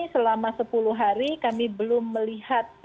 selama sepuluh hari kami belum melihat